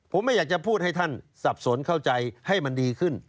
ผมไม่อยากจะพูดให้ท่านสับสนเข้าใจให้มันดีขึ้น